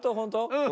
うん。